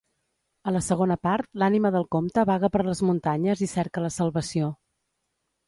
A la segona part l'ànima del comte vaga per les muntanyes i cerca la salvació.